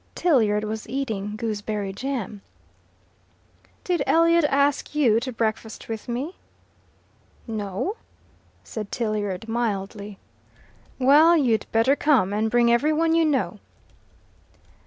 Tilliard was eating gooseberry jam. "Did Elliot ask you to breakfast with me?" "No," said Tilliard mildly. "Well, you'd better come, and bring every one you know."